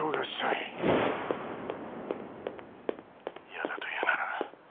「嫌だというなら」